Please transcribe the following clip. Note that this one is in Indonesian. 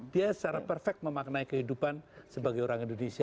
dia secara perfect memaknai kehidupan sebagai orang indonesia